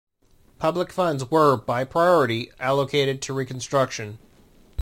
Public funds were, by priority, allocated to reconstruction.